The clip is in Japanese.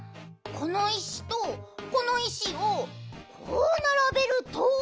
この石とこの石をこうならべると。